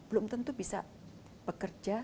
belum tentu bisa bekerja